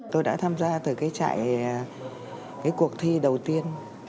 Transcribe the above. tôi đã tham gia từ cái trại cái cuộc thi đầu tiên